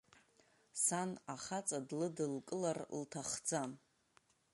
Сан ахаҵа длыдылкылар лҭахӡам!